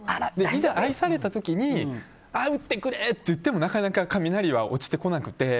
いざ愛された時にああ、打ってくれ！って言ってもなかなか雷は落ちてこなくて。